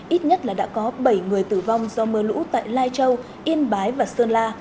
ít nhất là đã có bảy người tử vong do mưa lũ tại lai châu yên bái và sơn la